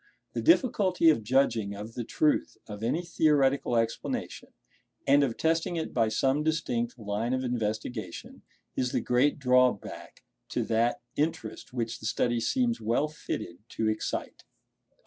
The difficulty of judging of the truth of any theoretical explanation, and of testing it by some distinct line of investigation, is the great drawback to that interest which the study seems well fitted to excite.